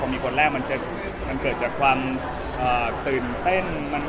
มีคนแรกมันเกิดจากความตื่นเต้น